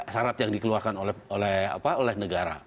syarat yang dikeluarkan oleh negara